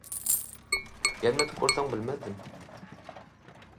- Gelmedik bolsaň bilmezdim.